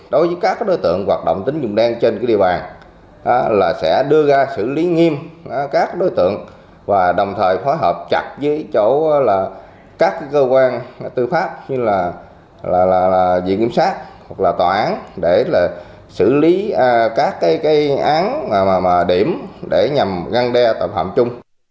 đối với các đối tượng hoạt động tính dùng đen trên địa bàn sẽ đưa ra xử lý nghiêm các đối tượng và đồng thời phó hợp chặt với các cơ quan tư pháp như diện kiểm sát hoặc tòa án để xử lý các án điểm để nhằm ngăn đe tội phạm chung